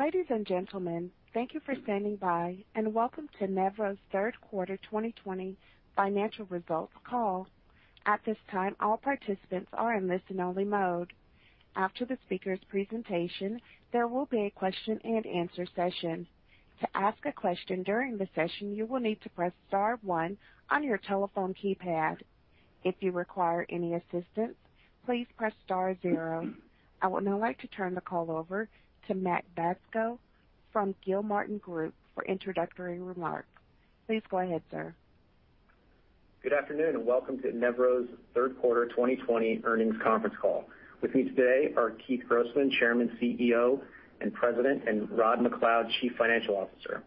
Ladies and gentlemen, thank you for standing by, and welcome to Nevro's third quarter 2020 financial results call. At this time, all participants are in listen only mode. After the speaker's presentation, there will be a question-and-answer session. To ask a question during the session, you will need to press star one on your telephone keypad. If you require any assistance, please press star zero. I would now like to turn the call over to Matt Bacso from Gilmartin Group for introductory remarks. Please go ahead, sir. Good afternoon. Welcome to Nevro's third quarter 2020 earnings conference call. With me today are Keith Grossman, Chairman, CEO, and President, and Rod MacLeod, Chief Financial Officer.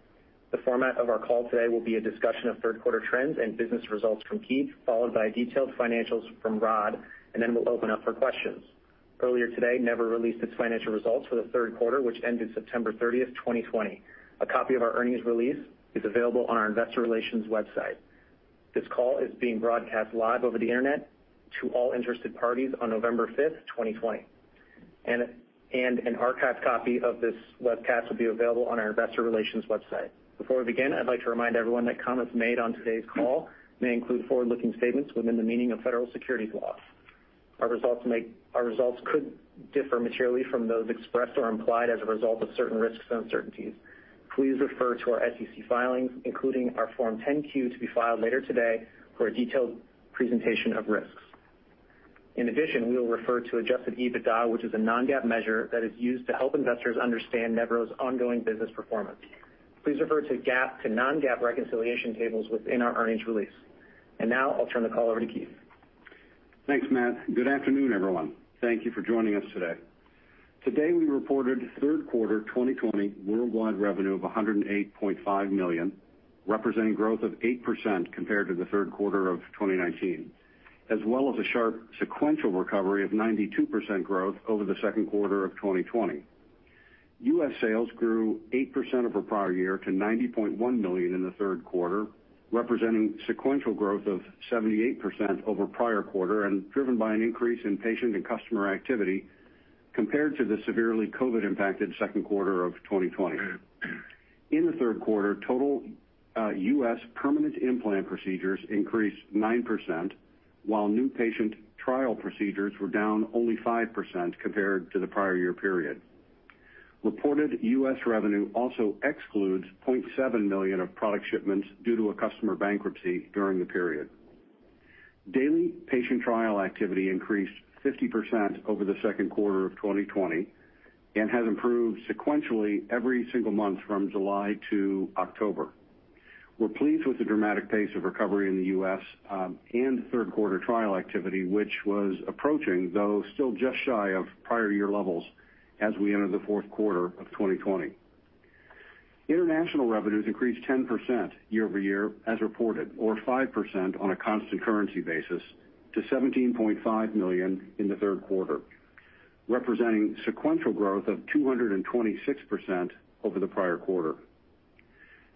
The format of our call today will be a discussion of third quarter trends and business results from Keith, followed by detailed financials from Rod. Then we'll open up for questions. Earlier today, Nevro released its financial results for the third quarter, which ended September 30th, 2020. A copy of our earnings release is available on our investor relations website. This call is being broadcast live over the internet to all interested parties on November 5th, 2020. An archived copy of this webcast will be available on our investor relations website. Before we begin, I'd like to remind everyone that comments made on today's call may include forward-looking statements within the meaning of federal securities laws. Our results could differ materially from those expressed or implied as a result of certain risks and uncertainties. Please refer to our SEC filings, including our Form 10-Q to be filed later today for a detailed presentation of risks. In addition, we will refer to adjusted EBITDA, which is a non-GAAP measure that is used to help investors understand Nevro's ongoing business performance. Please refer to GAAP to non-GAAP reconciliation tables within our earnings release. Now I'll turn the call over to Keith. Thanks, Matt. Good afternoon, everyone. Thank you for joining us today. Today we reported third quarter 2020 worldwide revenue of $108.5 million, representing growth of 8% compared to the third quarter of 2019, as well as a sharp sequential recovery of 92% growth over the second quarter of 2020. U.S. sales grew 8% over prior year to $90.1 million in the third quarter, representing sequential growth of 78% over prior quarter, driven by an increase in patient and customer activity compared to the severely COVID-impacted second quarter of 2020. In the third quarter, total U.S. permanent implant procedures increased 9%, while new patient trial procedures were down only 5% compared to the prior year period. Reported U.S. revenue also excludes $0.7 million of product shipments due to a customer bankruptcy during the period. Daily patient trial activity increased 50% over the second quarter of 2020 and has improved sequentially every single month from July to October. We're pleased with the dramatic pace of recovery in the U.S., and third quarter trial activity, which was approaching, though still just shy of, prior year levels as we enter the fourth quarter of 2020. International revenues increased 10% year-over-year as reported, or 5% on a constant currency basis to $17.5 million in the third quarter, representing sequential growth of 226% over the prior quarter.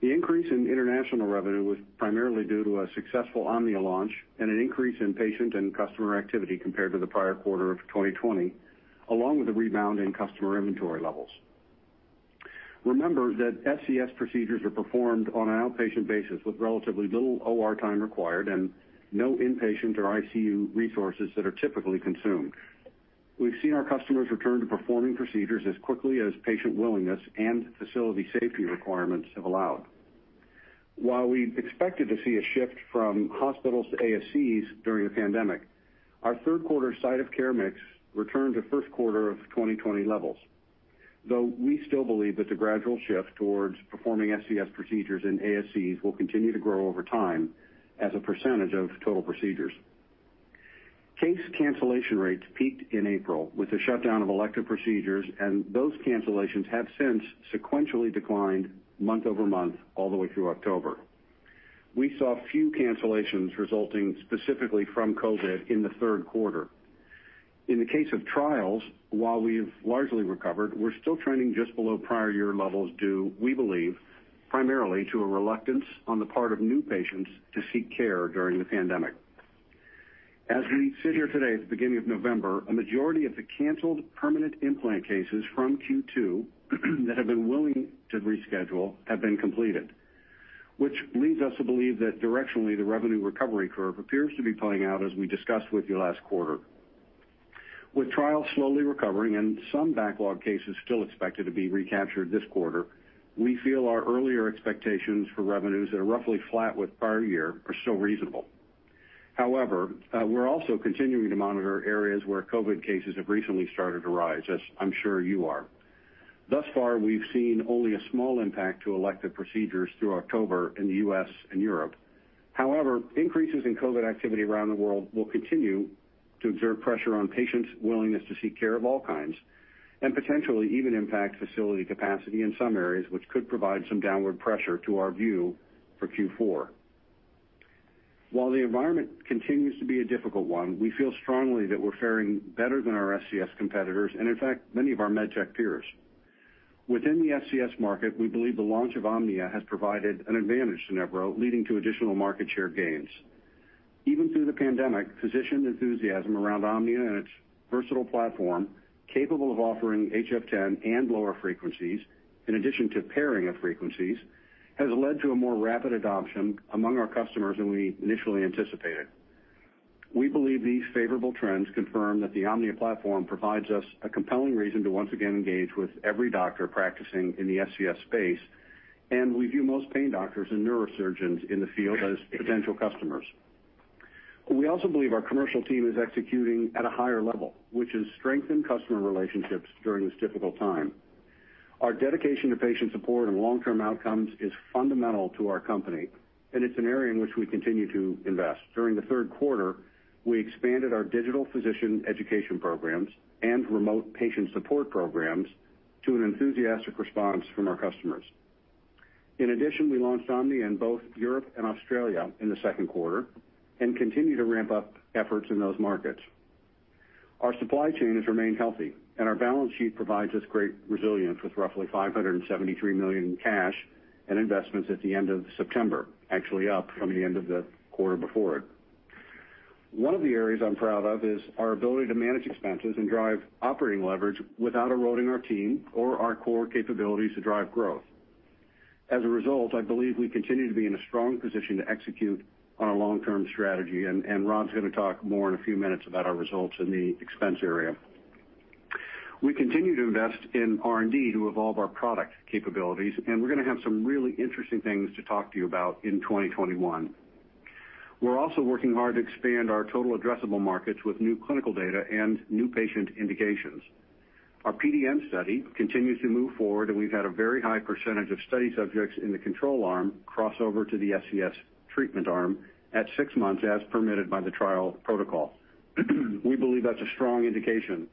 The increase in international revenue was primarily due to a successful Omnia launch and an increase in patient and customer activity compared to the prior quarter of 2020, along with a rebound in customer inventory levels. Remember that SCS procedures are performed on an outpatient basis with relatively little OR time required and no inpatient or ICU resources that are typically consumed. We've seen our customers return to performing procedures as quickly as patient willingness and facility safety requirements have allowed. While we expected to see a shift from hospitals to ASCs during the pandemic, our third quarter site of care mix returned to first quarter of 2020 levels. Though we still believe that the gradual shift towards performing SCS procedures in ASCs will continue to grow over time as a percentage of total procedures. Case cancellation rates peaked in April with the shutdown of elective procedures, and those cancellations have since sequentially declined month-over-month all the way through October. We saw few cancellations resulting specifically from COVID in the third quarter. In the case of trials, while we've largely recovered, we're still trending just below prior year levels due, we believe, primarily to a reluctance on the part of new patients to seek care during the pandemic. As we sit here today at the beginning of November, a majority of the canceled permanent implant cases from Q2 that have been willing to reschedule have been completed, which leads us to believe that directionally, the revenue recovery curve appears to be playing out as we discussed with you last quarter. With trials slowly recovering and some backlog cases still expected to be recaptured this quarter, we feel our earlier expectations for revenues that are roughly flat with prior year are still reasonable. We're also continuing to monitor areas where COVID cases have recently started to rise, as I'm sure you are. Thus far, we've seen only a small impact to elective procedures through October in the U.S. and Europe. However, increases in COVID activity around the world will continue to exert pressure on patients' willingness to seek care of all kinds, and potentially even impact facility capacity in some areas, which could provide some downward pressure to our view for Q4. While the environment continues to be a difficult one, we feel strongly that we're faring better than our SCS competitors and in fact, many of our med tech peers. Within the SCS market, we believe the launch of Omnia has provided an advantage to Nevro, leading to additional market share gains. Even through the pandemic, physician enthusiasm around Omnia and its versatile platform, capable of offering HF10 and lower frequencies, in addition to pairing of frequencies, has led to a more rapid adoption among our customers than we initially anticipated. We believe these favorable trends confirm that the Omnia platform provides us a compelling reason to once again engage with every doctor practicing in the SCS space, and we view most pain doctors and neurosurgeons in the field as potential customers. We also believe our commercial team is executing at a higher level, which has strengthened customer relationships during this difficult time. Our dedication to patient support and long-term outcomes is fundamental to our company, and it's an area in which we continue to invest. During the third quarter, we expanded our digital physician education programs and remote patient support programs to an enthusiastic response from our customers. We launched Omnia in both Europe and Australia in the second quarter and continue to ramp up efforts in those markets. Our supply chain has remained healthy. Our balance sheet provides us great resilience with roughly $573 million in cash and investments at the end of September, actually up from the end of the quarter before. One of the areas I'm proud of is our ability to manage expenses and drive operating leverage without eroding our team or our core capabilities to drive growth. As a result, I believe we continue to be in a strong position to execute on our long-term strategy. Rod's going to talk more in a few minutes about our results in the expense area. We continue to invest in R&D to evolve our product capabilities. We're going to have some really interesting things to talk to you about in 2021. We're also working hard to expand our total addressable markets with new clinical data and new patient indications. Our PDN study continues to move forward. We've had a very high percentage of study subjects in the control arm crossover to the SCS treatment arm at six months, as permitted by the trial protocol. We believe that's a strong indication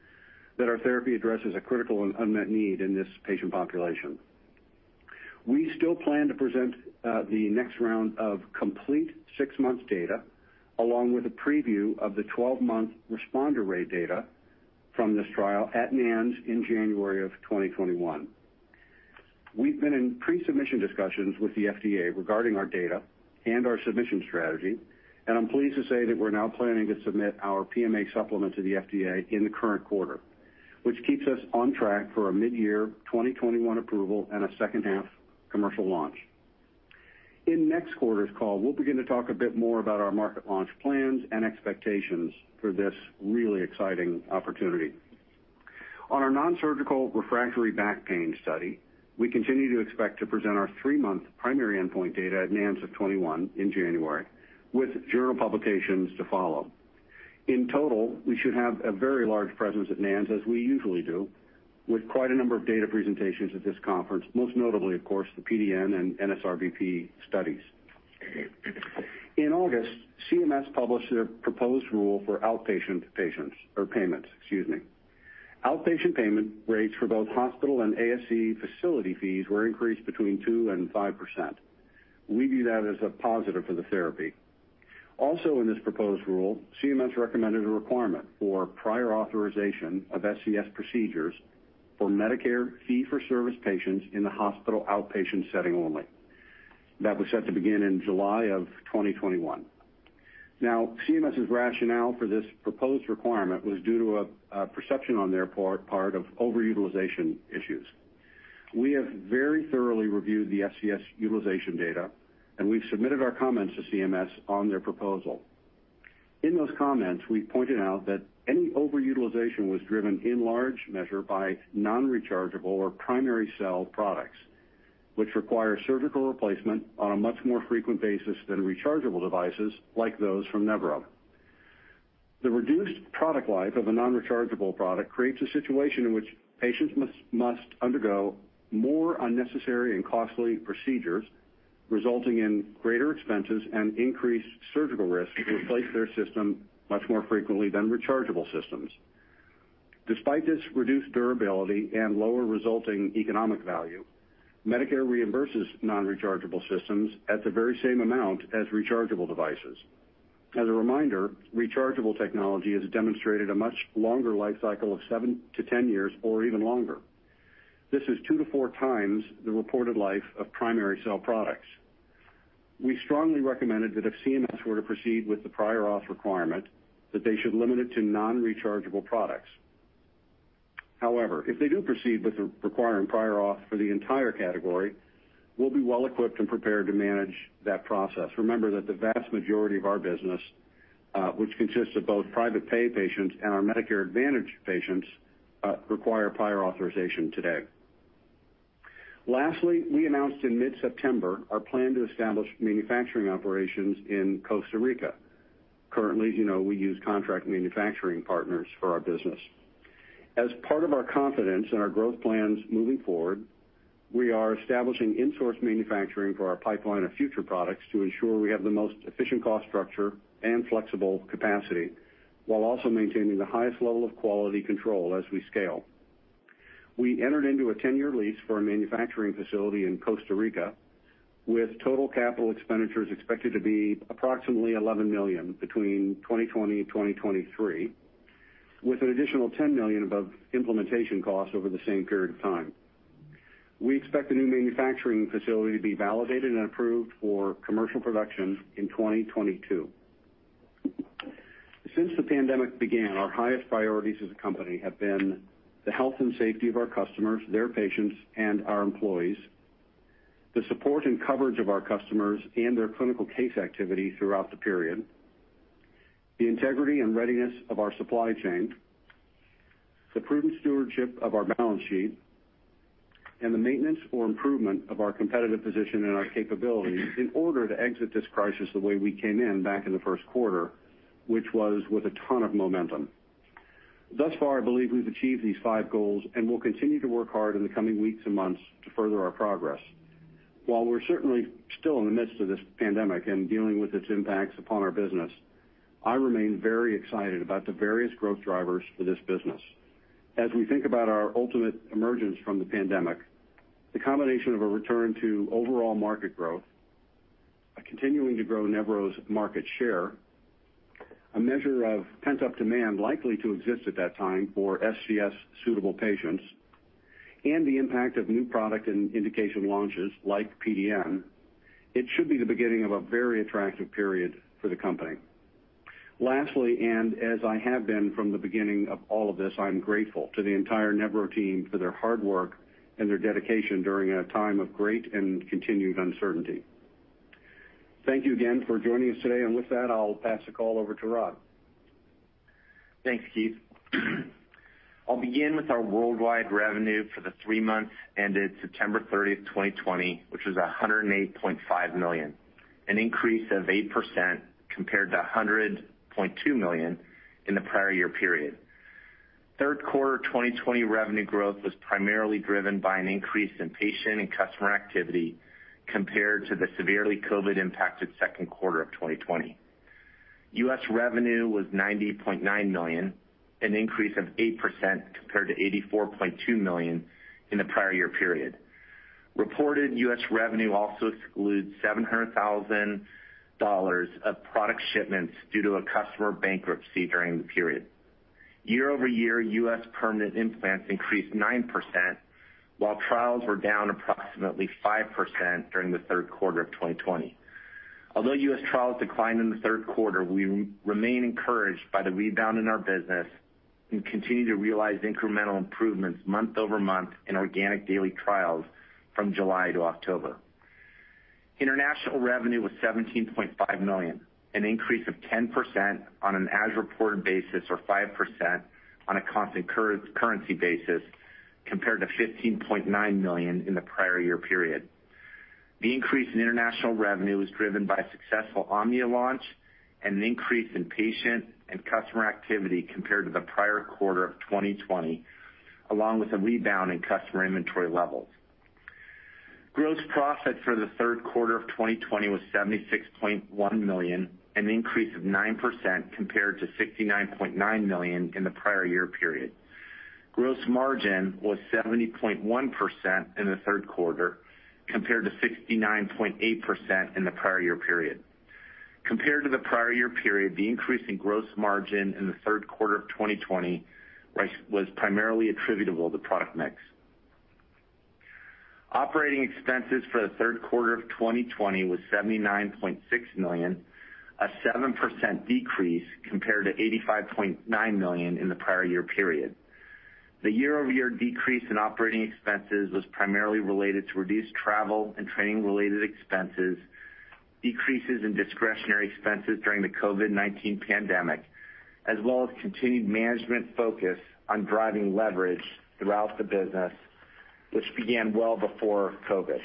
that our therapy addresses a critical and unmet need in this patient population. We still plan to present the next round of complete six-month data, along with a preview of the 12-month responder rate data from this trial at NANS in January of 2021. We've been in pre-submission discussions with the FDA regarding our data and our submission strategy. I'm pleased to say that we're now planning to submit our PMA supplement to the FDA in the current quarter, which keeps us on track for a mid-year 2021 approval and a second half commercial launch. In next quarter's call, we'll begin to talk a bit more about our market launch plans and expectations for this really exciting opportunity. On our non-surgical refractory back pain study, we continue to expect to present our three-month primary endpoint data at NANS of 2021 in January with journal publications to follow. In total, we should have a very large presence at NANS, as we usually do, with quite a number of data presentations at this conference, most notably, of course, the PDN and NSRBP studies. In August, CMS published a proposed rule for outpatient payments. Outpatient payment rates for both hospital and ASC facility fees were increased between 2%-5%. We view that as a positive for the therapy. Also in this proposed rule, CMS recommended a requirement for prior authorization of SCS procedures for Medicare fee-for-service patients in the hospital outpatient setting only. That was set to begin in July of 2021. Now, CMS's rationale for this proposed requirement was due to a perception on their part of overutilization issues. We have very thoroughly reviewed the SCS utilization data, and we've submitted our comments to CMS on their proposal. In those comments, we pointed out that any overutilization was driven in large measure by non-rechargeable or primary cell products, which require surgical replacement on a much more frequent basis than rechargeable devices like those from Nevro. The reduced product life of a non-rechargeable product creates a situation in which patients must undergo more unnecessary and costly procedures, resulting in greater expenses and increased surgical risk to replace their system much more frequently than rechargeable systems. Despite this reduced durability and lower resulting economic value, Medicare reimburses non-rechargeable systems at the very same amount as rechargeable devices. As a reminder, rechargeable technology has demonstrated a much longer life cycle of seven to 10 years or even longer. This is two to four times the reported life of primary cell products. We strongly recommended that if CMS were to proceed with the prior auth requirement, that they should limit it to non-rechargeable products. However, if they do proceed with requiring prior auth for the entire category, we'll be well equipped and prepared to manage that process. Remember that the vast majority of our business, which consists of both private pay patients and our Medicare Advantage patients, require prior authorization today. Lastly, we announced in mid-September our plan to establish manufacturing operations in Costa Rica. Currently, you know we use contract manufacturing partners for our business. As part of our confidence in our growth plans moving forward, we are establishing in-source manufacturing for our pipeline of future products to ensure we have the most efficient cost structure and flexible capacity, while also maintaining the highest level of quality control as we scale. We entered into a 10-year lease for a manufacturing facility in Costa Rica with total capital expenditures expected to be approximately $11 million between 2020 and 2023, with an additional $10 million above implementation costs over the same period of time. We expect the new manufacturing facility to be validated and approved for commercial production in 2022. Since the pandemic began, our highest priorities as a company have been the health and safety of our customers, their patients, and our employees, the support and coverage of our customers and their clinical case activity throughout the period, the integrity and readiness of our supply chain, the prudent stewardship of our balance sheet, and the maintenance or improvement of our competitive position and our capabilities in order to exit this crisis the way we came in back in the first quarter, which was with a ton of momentum. Thus far, I believe we've achieved these five goals, and will continue to work hard in the coming weeks and months to further our progress. While we're certainly still in the midst of this pandemic and dealing with its impacts upon our business, I remain very excited about the various growth drivers for this business. As we think about our ultimate emergence from the pandemic, the combination of a return to overall market growth, continuing to grow Nevro's market share, a measure of pent-up demand likely to exist at that time for SCS suitable patients, and the impact of new product and indication launches like PDN, it should be the beginning of a very attractive period for the company. Lastly, as I have been from the beginning of all of this, I'm grateful to the entire Nevro team for their hard work and their dedication during a time of great and continued uncertainty. Thank you again for joining us today. With that, I'll pass the call over to Rod. Thanks, Keith. I'll begin with our worldwide revenue for the three months ended September 30th, 2020, which was $108.5 million, an increase of 8% compared to $100.2 million in the prior year period. Third quarter 2020 revenue growth was primarily driven by an increase in patient and customer activity compared to the severely COVID impacted second quarter of 2020. U.S. revenue was $90.9 million, an increase of 8% compared to $84.2 million in the prior year period. Reported U.S. revenue also excludes $700,000 of product shipments due to a customer bankruptcy during the period. Year-over-year, U.S. permanent implants increased 9%, while trials were down approximately 5% during the third quarter of 2020. Although U.S. trials declined in the third quarter, we remain encouraged by the rebound in our business and continue to realize incremental improvements month-over-month in organic daily trials from July to October. International revenue was $17.5 million, an increase of 10% on an as-reported basis or 5% on a constant currency basis, compared to $15.9 million in the prior year period. The increase in international revenue was driven by a successful Omnia launch and an increase in patient and customer activity compared to the prior quarter of 2020, along with a rebound in customer inventory levels. Gross profit for the third quarter of 2020 was $76.1 million, an increase of 9% compared to $69.9 million in the prior year period. Gross margin was 70.1% in the third quarter, compared to 69.8% in the prior year period. Compared to the prior year period, the increase in gross margin in the third quarter of 2020 was primarily attributable to product mix. Operating expenses for the third quarter of 2020 was $79.6 million, a 7% decrease compared to $85.9 million in the prior year period. The year-over-year decrease in operating expenses was primarily related to reduced travel and training-related expenses, decreases in discretionary expenses during the COVID-19 pandemic, as well as continued management focus on driving leverage throughout the business, which began well before COVID.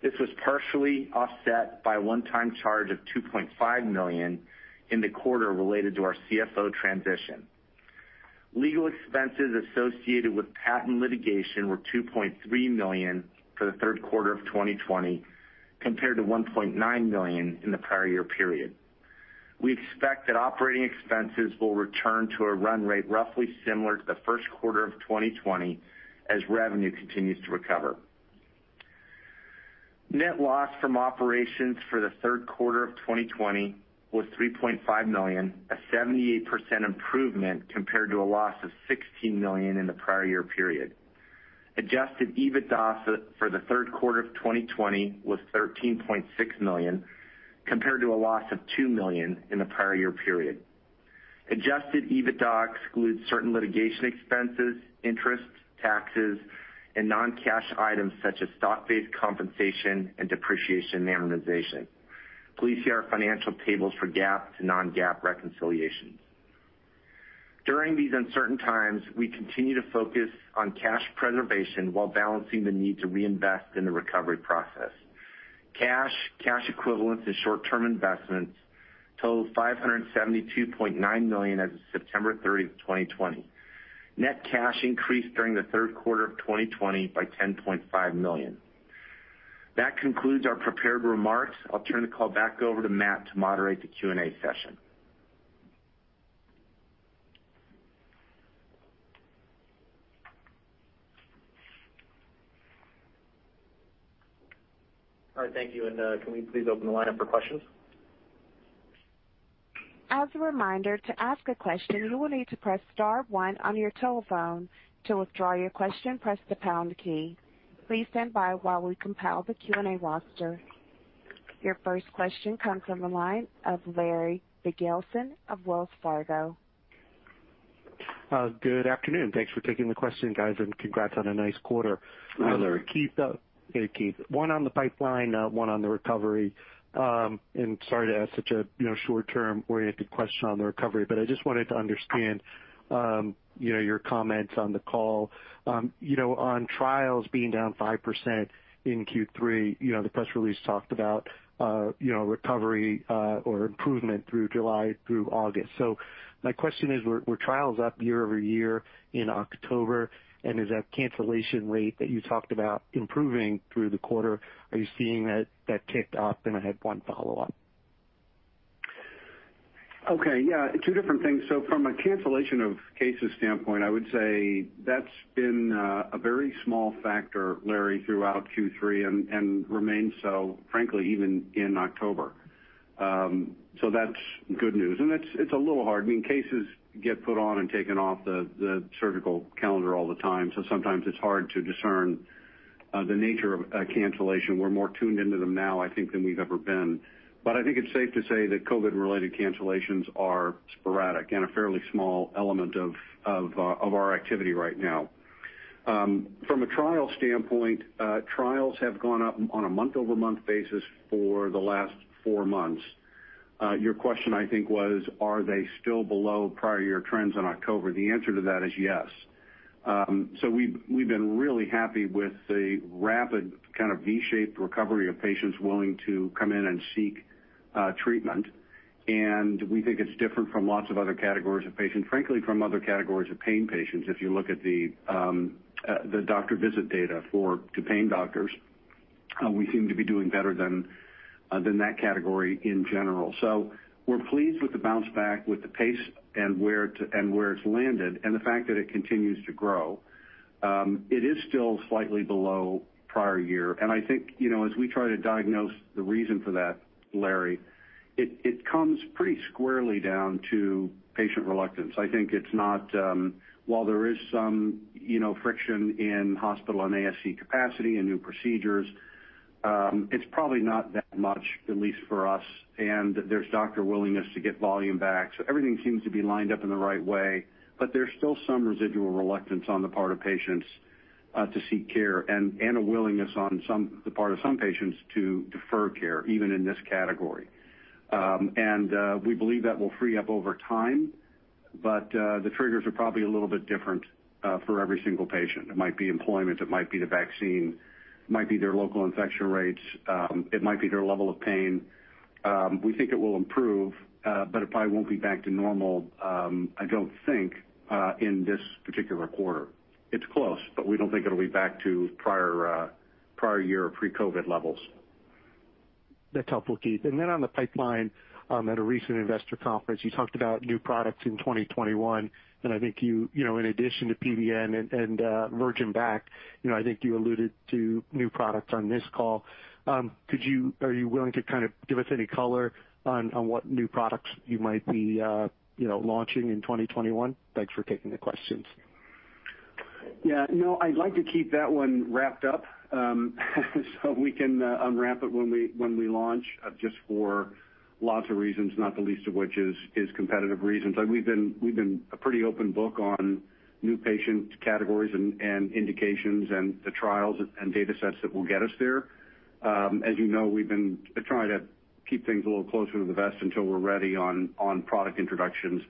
This was partially offset by a one-time charge of $2.5 million in the quarter related to our CFO transition. Legal expenses associated with patent litigation were $2.3 million for the third quarter of 2020, compared to $1.9 million in the prior year period. We expect that operating expenses will return to a run rate roughly similar to the first quarter of 2020 as revenue continues to recover. Net loss from operations for the third quarter of 2020 was $3.5 million, a 78% improvement compared to a loss of $16 million in the prior year period. Adjusted EBITDA for the third quarter of 2020 was $13.6 million, compared to a loss of $2 million in the prior year period. Adjusted EBITDA excludes certain litigation expenses, interest, taxes, and non-cash items such as stock-based compensation and depreciation and amortization. Please see our financial tables for GAAP to non-GAAP reconciliations. During these uncertain times, we continue to focus on cash preservation while balancing the need to reinvest in the recovery process. Cash, cash equivalents, and short-term investments totaled $572.9 million as of September 30th, 2020. Net cash increased during the third quarter of 2020 by $10.5 million. That concludes our prepared remarks. I'll turn the call back over to Matt to moderate the Q&A session. All right. Thank you. Can we please open the line up for questions? As a reminder, to ask a question, you will need to press star one on your telephone. To withdraw your question, press the pound key. Please stand by while we compile the Q&A roster. Your first question comes from the line of Larry Biegelsen of Wells Fargo. Good afternoon. Thanks for taking the question, guys, and congrats on a nice quarter. Hi, Larry. Hey, Keith. One on the pipeline, one on the recovery. Sorry to ask such a short-term-oriented question on the recovery, but I just wanted to understand your comments on the call. On trials being down 5% in Q3, the press release talked about recovery or improvement through July through August. My question is, were trials up year-over-year in October? Is that cancellation rate that you talked about improving through the quarter, are you seeing that kicked up? I had one follow-up. Okay. Yeah. Two different things. From a cancellation of cases standpoint, I would say that's been a very small factor, Larry, throughout Q3, and remains so frankly even in October. That's good news. It's a little hard. Cases get put on and taken off the surgical calendar all the time, so sometimes it's hard to discern the nature of a cancellation. We're more tuned into them now, I think, than we've ever been. I think it's safe to say that COVID-related cancellations are sporadic and a fairly small element of our activity right now. From a trial standpoint, trials have gone up on a month-over-month basis for the last four months. Your question, I think, was are they still below prior year trends in October? The answer to that is yes. We've been really happy with the rapid kind of V-shaped recovery of patients willing to come in and seek treatment. We think it's different from lots of other categories of patients, frankly from other categories of pain patients if you look at the doctor visit data to pain doctors. We seem to be doing better than that category in general. We're pleased with the bounce back with the pace and where it's landed and the fact that it continues to grow. It is still slightly below prior year. I think as we try to diagnose the reason for that, Larry, it comes pretty squarely down to patient reluctance. While there is some friction in hospital and ASC capacity and new procedures, it's probably not that much, at least for us. There's doctor willingness to get volume back. Everything seems to be lined up in the right way. There's still some residual reluctance on the part of patients to seek care and a willingness on the part of some patients to defer care, even in this category. We believe that will free up over time. The triggers are probably a little bit different for every single patient. It might be employment. It might be the vaccine. It might be their local infection rates. It might be their level of pain. We think it will improve, but it probably won't be back to normal, I don't think, in this particular quarter. It's close, but we don't think it'll be back to prior year pre-COVID levels. That's helpful, Keith. On the pipeline, at a recent investor conference, you talked about new products in 2021. In addition to PDN and virgin back, I think you alluded to new products on this call. Are you willing to give us any color on what new products you might be launching in 2021? Thanks for taking the questions. Yeah. No, I'd like to keep that one wrapped up so we can unwrap it when we launch just for lots of reasons, not the least of which is competitive reasons. We've been a pretty open book on new patient categories and indications and the trials and data sets that will get us there. As you know, we've been trying to keep things a little closer to the vest until we're ready on product introductions.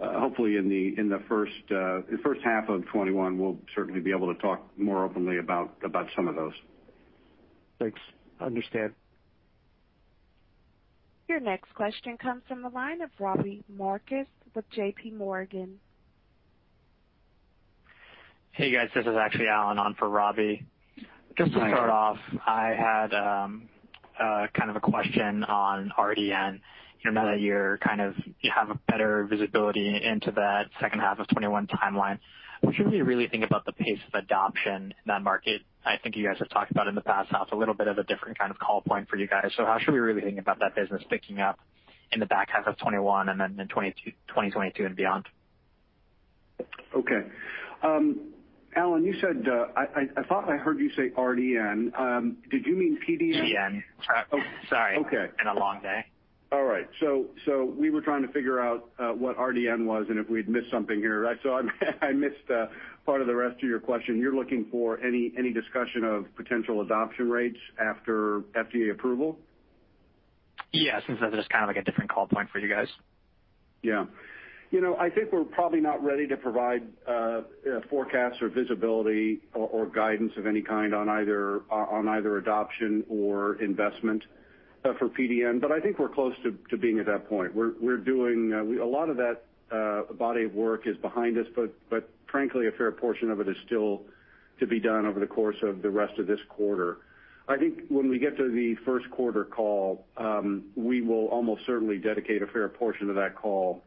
Hopefully in the first half of 2021, we'll certainly be able to talk more openly about some of those. Thanks. Understand. Your next question comes from the line of Robbie Marcus with JPMorgan. Hey, guys. This is actually Alan on for Robbie. Hi. Just to start off, I had a question on RDN. Now that you have a better visibility into that second half of 2021 timeline, what should we really think about the pace of adoption in that market? I think you guys have talked about in the past how it's a little bit of a different kind of call point for you guys. How should we really think about that business picking up in the back half of 2021 and then in 2022 and beyond? Okay. Alan, I thought I heard you say RDN. Did you mean PDN? PDN. Sorry. Okay. It's been a long day. All right. We were trying to figure out what RDN was and if we'd missed something here. I missed part of the rest of your question. You're looking for any discussion of potential adoption rates after FDA approval? Yeah, since that is kind of like a different call point for you guys. Yeah. I think we're probably not ready to provide a forecast or visibility or guidance of any kind on either adoption or investment for PDN. I think we're close to being at that point. A lot of that body of work is behind us, but frankly, a fair portion of it is still to be done over the course of the rest of this quarter. I think when we get to the first quarter call, we will almost certainly dedicate a fair portion of that call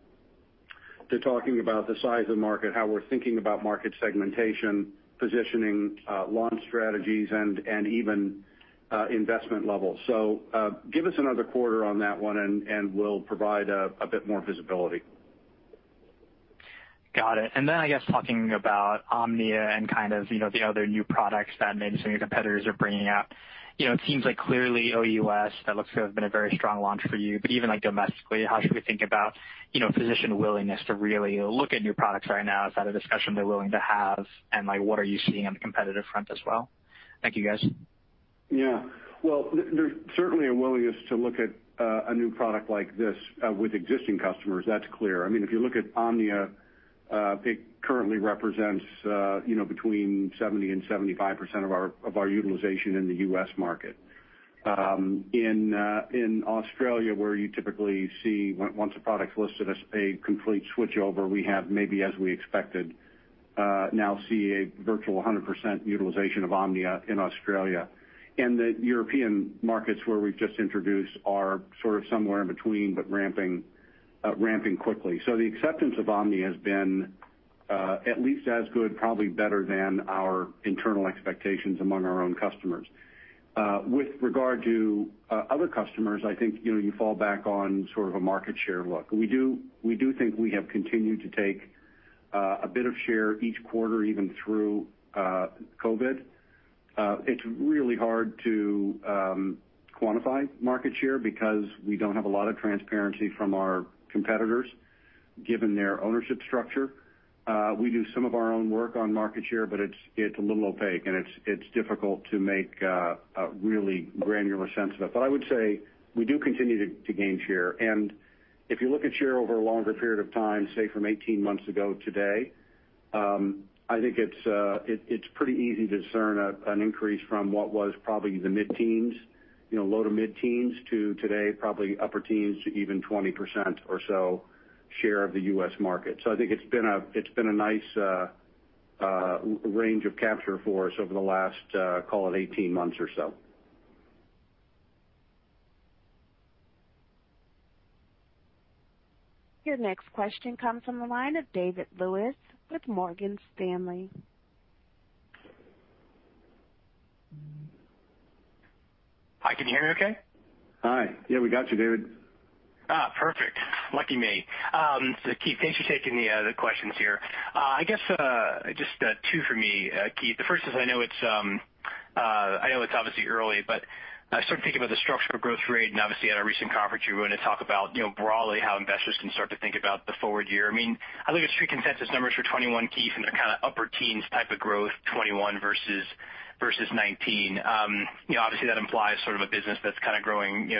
to talking about the size of the market, how we're thinking about market segmentation, positioning, launch strategies, and even investment levels. Give us another quarter on that one and we'll provide a bit more visibility. Got it. I guess, talking about Omnia and the other new products that maybe some of your competitors are bringing out. It seems like clearly OUS, that looks to have been a very strong launch for you. Even domestically, how should we think about physician willingness to really look at new products right now? Is that a discussion they're willing to have? What are you seeing on the competitive front as well? Thank you, guys. Well, they certainly are willingness to look at a new product like this with existing customers, that's clear. If you look at Omnia, it currently represents between 70% and 75% of our utilization in the U.S. market. In Australia, where you typically see, once a product's listed, a complete switchover, we have maybe, as we expected, now see a virtual 100% utilization of Omnia in Australia. The European markets where we've just introduced are sort of somewhere in between, but ramping quickly. The acceptance of Omnia has been at least as good, probably better than our internal expectations among our own customers. With regard to other customers, I think you fall back on sort of a market share look. We do think we have continued to take a bit of share each quarter, even through COVID. It's really hard to quantify market share because we don't have a lot of transparency from our competitors, given their ownership structure. We do some of our own work on market share, but it's a little opaque and it's difficult to make a really granular sense of it. I would say we do continue to gain share. If you look at share over a longer period of time, say from 18 months ago today, I think it's pretty easy to discern an increase from what was probably the low to mid-teens to today, probably upper teens to even 20% or so share of the U.S. market. I think it's been a nice range of capture for us over the last call it 18 months or so. Your next question comes from the line of David Lewis with Morgan Stanley. Hi, can you hear me okay? Hi. Yeah, we got you, David. Perfect. Lucky me. Keith, thanks for taking the other questions here. I guess just two for me, Keith. The first is, I know it's obviously early, but I started thinking about the structural growth rate. Obviously, at a recent conference, you were going to talk about broadly how investors can start to think about the forward year. I look at street consensus numbers for 2021, Keith, and they're kind of upper teens type of growth, 2021 versus 2019. Obviously, that implies sort of a business that's kind of growing 10% or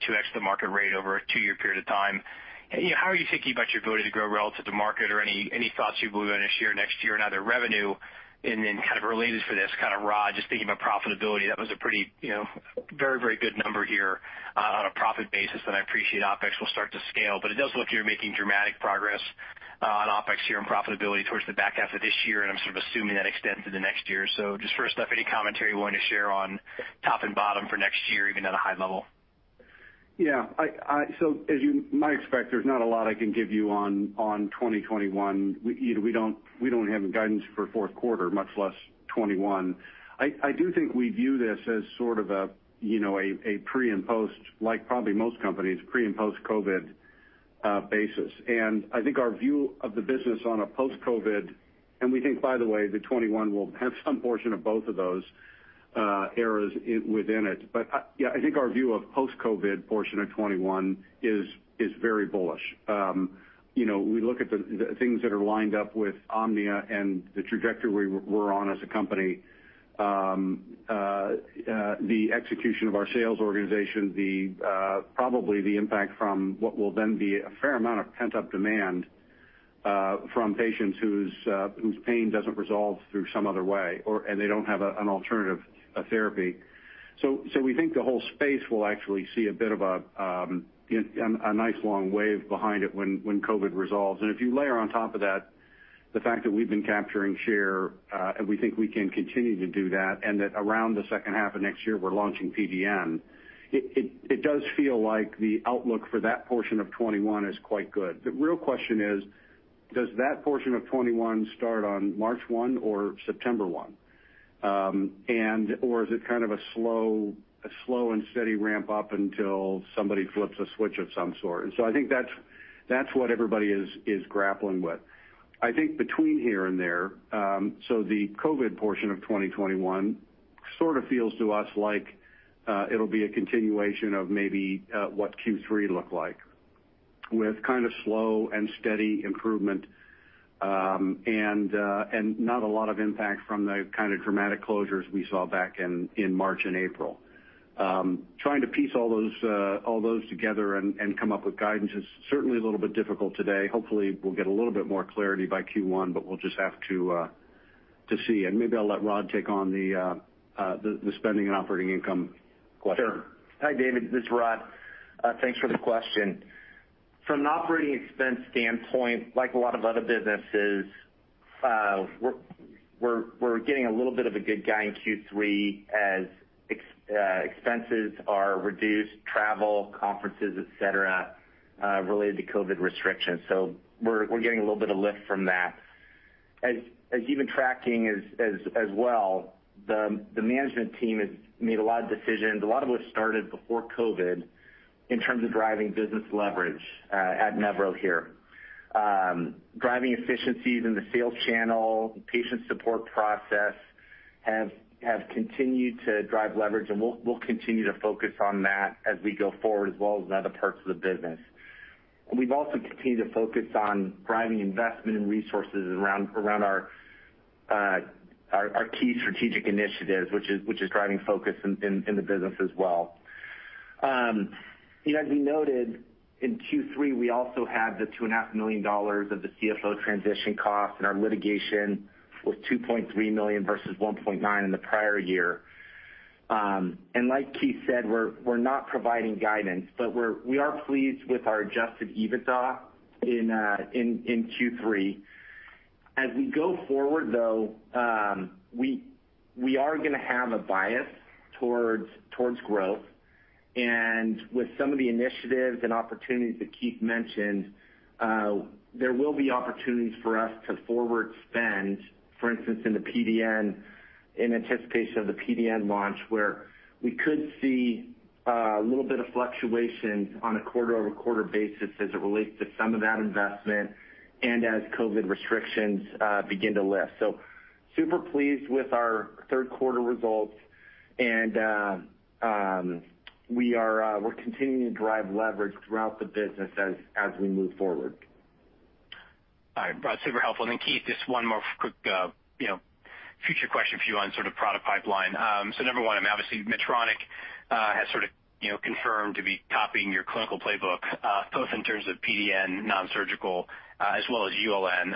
2x the market rate over a two-year period of time. How are you thinking about your ability to grow relative to market or any thoughts you've moved on this year, next year, and either revenue, and then kind of related for this, Rod, just thinking about profitability? That was a very good number here on a profit basis, and I appreciate OpEx will start to scale. It does look you're making dramatic progress on OpEx here and profitability towards the back half of this year, and I'm sort of assuming that extends into next year. Just first off, any commentary you wanted to share on top and bottom for next year, even at a high level? As you might expect, there's not a lot I can give you on 2021. We don't have any guidance for fourth quarter, much less 2021. I do think we view this as sort of a pre and post, like probably most companies, pre and post-COVID basis. I think our view of the business on a post-COVID, and we think, by the way, the 2021 will have some portion of both of those eras within it. Yeah, I think our view of post-COVID portion of 2021 is very bullish. We look at the things that are lined up with Omnia and the trajectory we're on as a company. The execution of our sales organization, probably the impact from what will then be a fair amount of pent-up demand from patients whose pain doesn't resolve through some other way, and they don't have an alternative therapy. We think the whole space will actually see a bit of a nice long wave behind it when COVID resolves. If you layer on top of that the fact that we've been capturing share, and we think we can continue to do that, and that around the second half of next year, we're launching PDN. It does feel like the outlook for that portion of 2021 is quite good. The real question is: does that portion of 2021 start on March 1 or September 1? Or is it kind of a slow and steady ramp-up until somebody flips a switch of some sort? I think that's what everybody is grappling with. I think between here and there, the COVID portion of 2021 sort of feels to us like it'll be a continuation of maybe what Q3 looked like, with kind of slow and steady improvement, and not a lot of impact from the kind of dramatic closures we saw back in March and April. Trying to piece all those together and come up with guidance is certainly a little bit difficult today. Hopefully, we'll get a little bit more clarity by Q1, we'll just have to see. Maybe I'll let Rod take on the spending and operating income question. Sure. Hi, David, this is Rod. Thanks for the question. From an operating expense standpoint, like a lot of other businesses. We're getting a little bit of a good guide in Q3 as expenses are reduced, travel, conferences, et cetera, related to COVID restrictions. We're getting a little bit of lift from that. As you've been tracking as well, the management team has made a lot of decisions. A lot of what started before COVID, in terms of driving business leverage at Nevro here. Driving efficiencies in the sales channel, patient support process, have continued to drive leverage, and we'll continue to focus on that as we go forward, as well as in other parts of the business. We've also continued to focus on driving investment and resources around our key strategic initiatives, which is driving focus in the business as well. As we noted, in Q3, we also had the $2.5 million of the CFO transition cost. Our litigation was $2.3 million versus $1.9 million in the prior year. Like Keith said, we're not providing guidance, but we are pleased with our adjusted EBITDA in Q3. As we go forward, though, we are going to have a bias towards growth. With some of the initiatives and opportunities that Keith mentioned, there will be opportunities for us to forward spend, for instance, in anticipation of the PDN launch, where we could see a little bit of fluctuation on a quarter-over-quarter basis as it relates to some of that investment and as COVID restrictions begin to lift. Super pleased with our third quarter results. We're continuing to drive leverage throughout the business as we move forward. All right. That's super helpful. Keith, just one more quick future question for you on sort of product pipeline. Number one, obviously Medtronic has sort of confirmed to be copying your clinical playbook, both in terms of PDN, non-surgical, as well as ULN.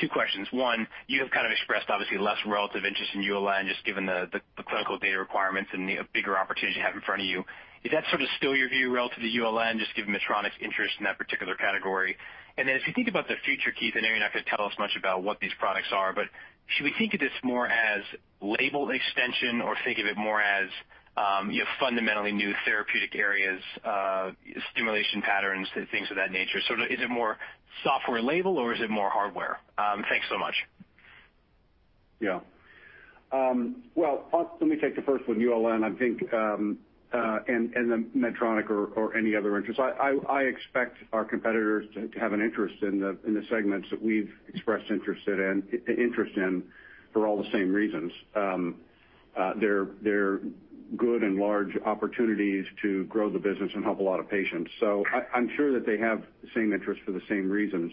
Two questions. One, you have kind of expressed obviously less relative interest in ULN, just given the clinical data requirements and the bigger opportunity you have in front of you. Is that sort of still your view relative to ULN, just given Medtronic's interest in that particular category? As you think about the future, Keith, I know you're not going to tell us much about what these products are, but should we think of this more as label extension or think of it more as fundamentally new therapeutic areas, stimulation patterns, things of that nature? Is it more software label or is it more hardware? Thanks so much. Yeah. Well, let me take the first one. ULN, I think, then Medtronic or any other interest. I expect our competitors to have an interest in the segments that we've expressed interest in, for all the same reasons. They're good and large opportunities to grow the business and help a lot of patients. I'm sure that they have the same interest for the same reasons.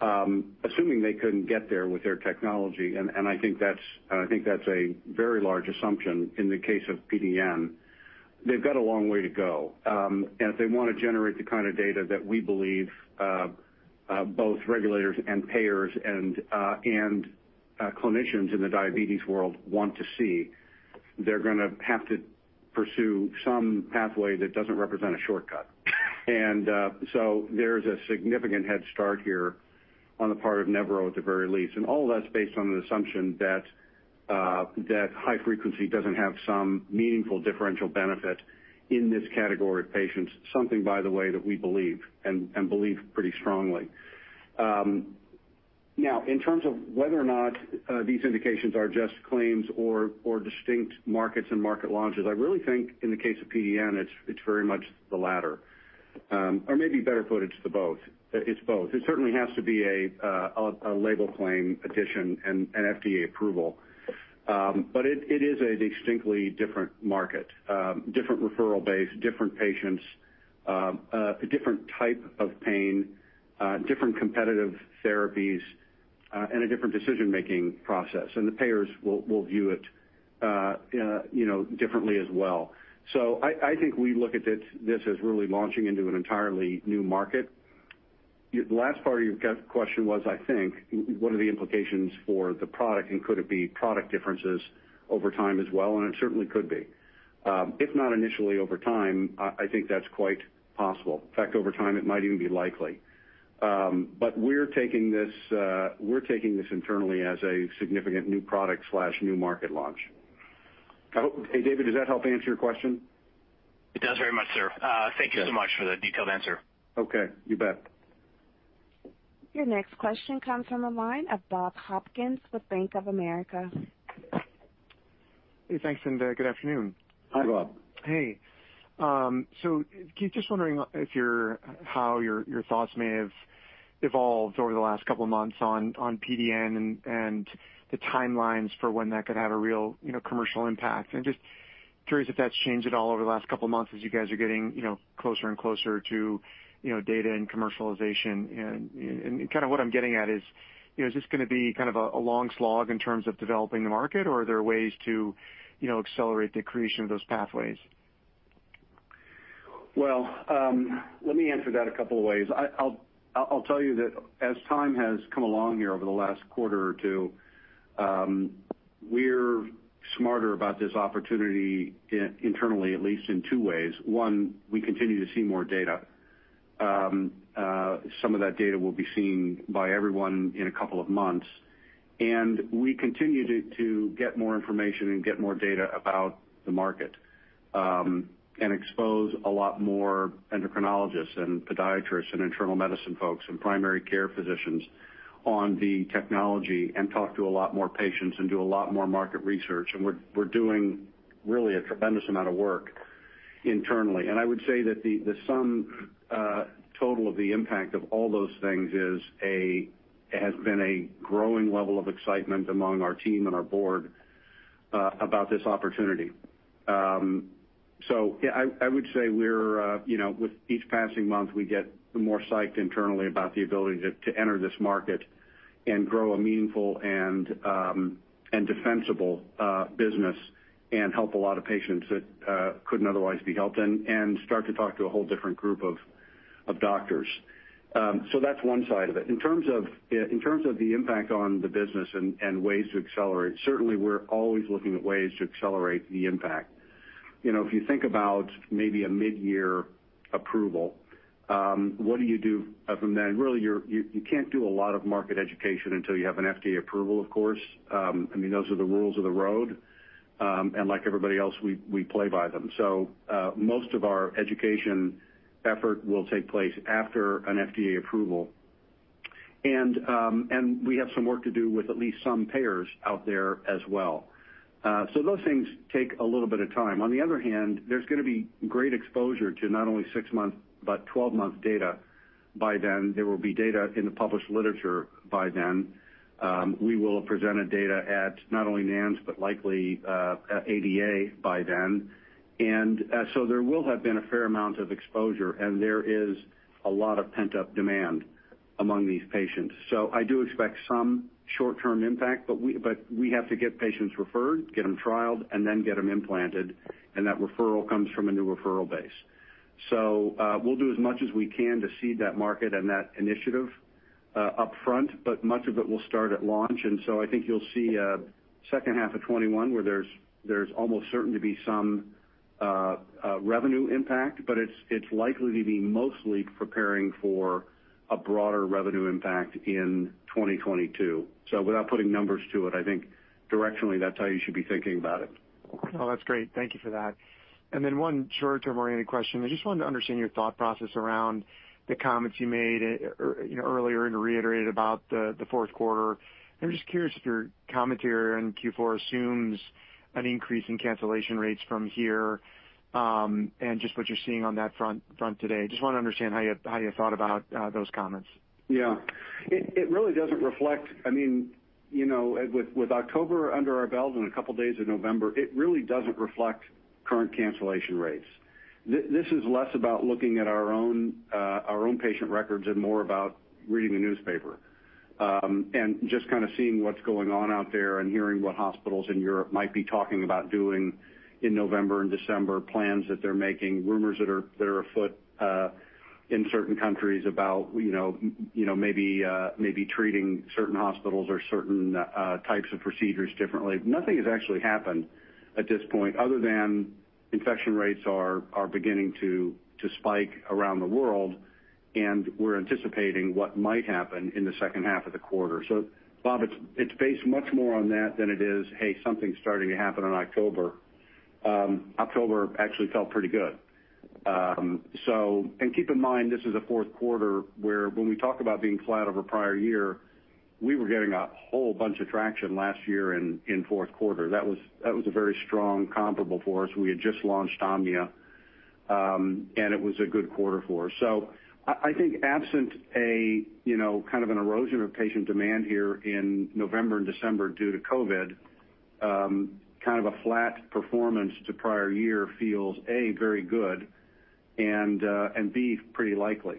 Assuming they couldn't get there with their technology, I think that's a very large assumption in the case of PDN. They've got a long way to go. If they want to generate the kind of data that we believe both regulators and payers and clinicians in the diabetes world want to see, they're going to have to pursue some pathway that doesn't represent a shortcut. There's a significant headstart here on the part of Nevro at the very least. All that's based on the assumption that high frequency doesn't have some meaningful differential benefit in this category of patients. Something, by the way, that we believe and believe pretty strongly. In terms of whether or not these indications are just claims or distinct markets and market launches, I really think in the case of PDN, it's very much the latter. Maybe better put, it's both. It certainly has to be a label claim addition and FDA approval. It is a distinctly different market. Different referral base, different patients, a different type of pain, different competitive therapies, and a different decision-making process. The payers will view it differently as well. I think we look at this as really launching into an entirely new market. The last part of your question was, I think, what are the implications for the product and could it be product differences over time as well? It certainly could be. If not initially over time, I think that's quite possible. In fact, over time, it might even be likely. We're taking this internally as a significant new product/new market launch. Hey, David, does that help answer your question? It does very much, sir. Okay. Thank you so much for the detailed answer. Okay. You bet. Your next question comes from the line of Bob Hopkins with Bank of America. Hey, thanks, and good afternoon. Hi, Bob. Hey. Keith, just wondering how your thoughts may have evolved over the last couple of months on PDN and the timelines for when that could have a real commercial impact. Just curious if that's changed at all over the last couple of months as you guys are getting closer and closer to data and commercialization. Kind of what I'm getting at is this going to be kind of a long slog in terms of developing the market, or are there ways to accelerate the creation of those pathways? Well, let me answer that a couple of ways. I'll tell you that as time has come along here over the last quarter or two, we're smarter about this opportunity internally, at least in two ways. One, we continue to see more data. Some of that data will be seen by everyone in a couple of months. We continue to get more information and get more data about the market, and expose a lot more endocrinologists and podiatrists and internal medicine folks and primary care physicians on the technology, and talk to a lot more patients and do a lot more market research. We're doing really a tremendous amount of work internally. I would say that the sum total of the impact of all those things has been a growing level of excitement among our team and our board about this opportunity. Yeah, I would say with each passing month, we get more psyched internally about the ability to enter this market and grow a meaningful and defensible business and help a lot of patients that couldn't otherwise be helped and start to talk to a whole different group of doctors. That's one side of it. In terms of the impact on the business and ways to accelerate, certainly, we're always looking at ways to accelerate the impact. If you think about maybe a mid-year approval, what do you do from then? Really, you can't do a lot of market education until you have an FDA approval, of course. Those are the rules of the road. Like everybody else, we play by them. Most of our education effort will take place after an FDA approval. We have some work to do with at least some payers out there as well. Those things take a little bit of time. On the other hand, there's going to be great exposure to not only six month but 12-month data by then. There will be data in the published literature by then. We will have presented data at not only NANS, but likely at ADA by then. There will have been a fair amount of exposure, and there is a lot of pent-up demand among these patients. I do expect some short-term impact, but we have to get patients referred, get them trialed, and then get them implanted, and that referral comes from a new referral base. We'll do as much as we can to seed that market and that initiative upfront, but much of it will start at launch. I think you'll see a second half of 2021 where there's almost certain to be some revenue impact. It's likely to be mostly preparing for a broader revenue impact in 2022. Without putting numbers to it, I think directionally, that's how you should be thinking about it. No, that's great. Thank you for that. One short-term oriented question. I just wanted to understand your thought process around the comments you made earlier and reiterated about the fourth quarter. I'm just curious if your commentary on Q4 assumes an increase in cancellation rates from here, and just what you're seeing on that front today. Just want to understand how you thought about those comments. Yeah. With October under our belt and a couple of days of November, it really doesn't reflect current cancellation rates. This is less about looking at our own patient records and more about reading the newspaper. Just kind of seeing what's going on out there and hearing what hospitals in Europe might be talking about doing in November and December, plans that they're making, rumors that are afoot in certain countries about maybe treating certain hospitals or certain types of procedures differently. Nothing has actually happened at this point other than infection rates are beginning to spike around the world, and we're anticipating what might happen in the second half of the quarter. Bob, it's based much more on that than it is, hey, something's starting to happen in October. October actually felt pretty good. Keep in mind, this is a fourth quarter where when we talk about being flat over prior year, we were getting a whole bunch of traction last year in fourth quarter. That was a very strong comparable for us. We had just launched Omnia, and it was a good quarter for us. I think absent an erosion of patient demand here in November and December due to COVID, a flat performance to prior year feels, A, very good and, B, pretty likely.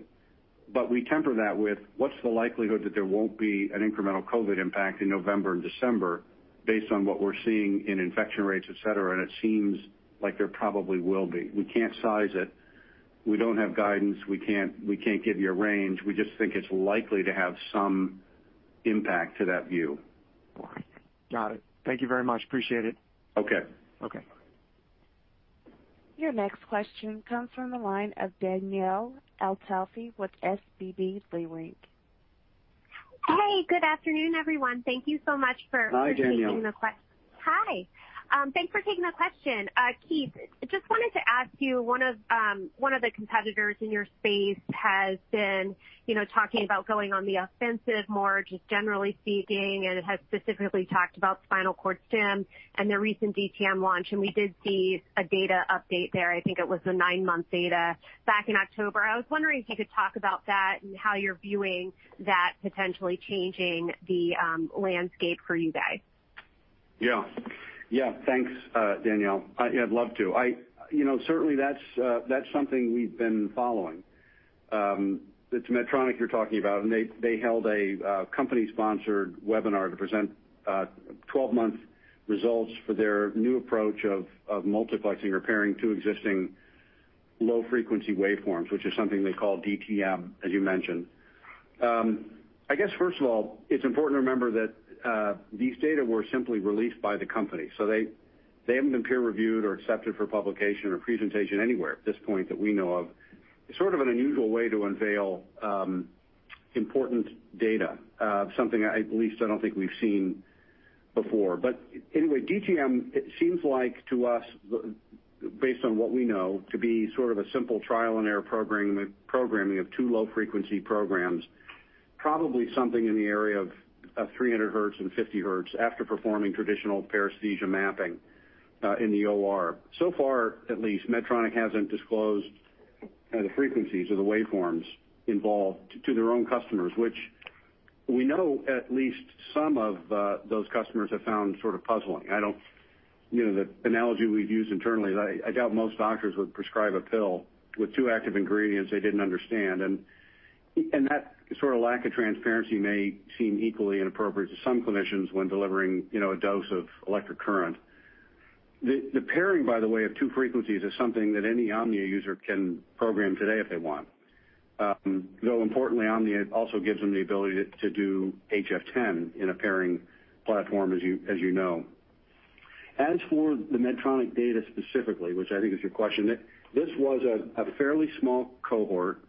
We temper that with what's the likelihood that there won't be an incremental COVID impact in November and December based on what we're seeing in infection rates, et cetera, and it seems like there probably will be. We can't size it. We don't have guidance. We can't give you a range. We just think it's likely to have some impact to that view. Got it. Thank you very much. Appreciate it. Okay. Okay. Your next question comes from the line of Danielle Antalffy with SVB Leerink. Hey, good afternoon, everyone. Thank you so much. Hi, Danielle. Hi. Thanks for taking the question. Keith, just wanted to ask you, one of the competitors in your space has been talking about going on the offensive more, just generally speaking, and has specifically talked about spinal cord stim and their recent DTM launch, and we did see a data update there. I think it was the nine-month data back in October. I was wondering if you could talk about that and how you're viewing that potentially changing the landscape for you guys. Yeah. Thanks, Danielle. I'd love to. Certainly, that's something we've been following. It's Medtronic you're talking about, and they held a company-sponsored webinar to present 12-month results for their new approach of multiplexing or pairing two existing low-frequency waveforms, which is something they call DTM, as you mentioned. I guess, first of all, it's important to remember that these data were simply released by the company. They haven't been peer-reviewed or accepted for publication or presentation anywhere at this point that we know of, sort of an unusual way to unveil important data, something at least I don't think we've seen before. Anyway, DTM, it seems like to us, based on what we know, to be sort of a simple trial-and-error programming of two low-frequency programs, probably something in the area of 300 Hz and 50 Hz after performing traditional paresthesia mapping in the OR. Far, at least, Medtronic hasn't disclosed the frequencies or the waveforms involved to their own customers, which we know at least some of those customers have found sort of puzzling. The analogy we've used internally is I doubt most doctors would prescribe a pill with two active ingredients they didn't understand. That sort of lack of transparency may seem equally inappropriate to some clinicians when delivering a dose of electric current. The pairing, by the way, of two frequencies is something that any Omnia user can program today if they want. Importantly, Omnia also gives them the ability to do HF10 in a pairing platform, as you know. For the Medtronic data specifically, which I think is your question, this was a fairly small cohort